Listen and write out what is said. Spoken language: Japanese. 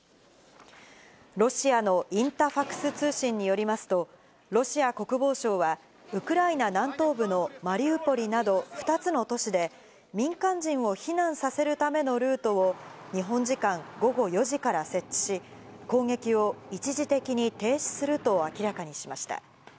ロシアのインタファクス通信によりますと、ロシア国防省は、ウクライナ南東部のマリウポリなど２つの都市で、民間人を避難させるためのルートを、日本時間午後４時から設置し、攻撃を一時的に停止すると明らかにしました。